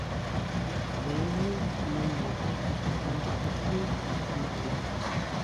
Jee ʼñú maña ixti xi tjín ntʼe.